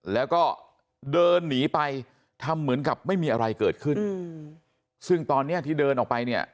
แล้วก็เดินหนีไปทำเหมือนกับไม่มีอะไรเกิดขึ้นซึ่งตอนเนี้ยที่เดินออกไปเนี่ย